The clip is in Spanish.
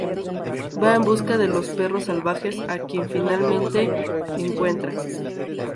Va en busca de los perros salvajes, a quien finalmente encuentra.